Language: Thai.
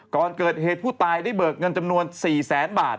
ก่อนเกิดเหตุผู้ตายได้เบิกเงินจำนวน๔แสนบาท